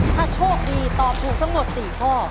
ถ้าโชคดีตอบถูกทั้งหมด๔ข้อ